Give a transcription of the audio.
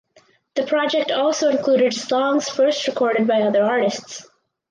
The project also included songs first recorded by other artists.